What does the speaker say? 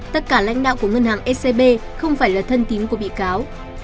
tất cả lãnh đạo của ngân hàng scb không phải là thân tín của bị cáo